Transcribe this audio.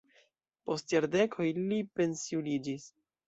Post jardeko li pensiuliĝis.